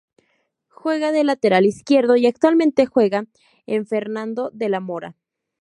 Juega de lateral izquierdo y actualmente juega en Fernando de la Mora.